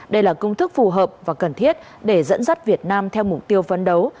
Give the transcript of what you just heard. đây là công thức phù hợp và cần thiết để dẫn dắt việt nam theo mục tiêu vấn đấu